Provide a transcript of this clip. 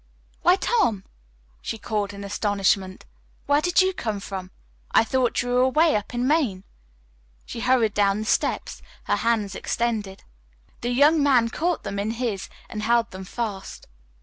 "Why, Tom!" she called in astonishment. "Where did you come from? I thought you were away up in Maine." She hurried down the steps, her hands extended. The young man caught them in his and held them fast.